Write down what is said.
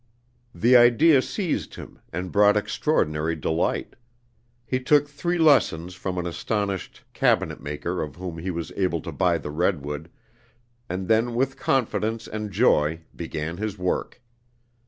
The idea seized him and brought extraordinary delight. He took three lessons from an astonished cabinet maker of whom he was able to buy the redwood, and then with confidence and joy began his work.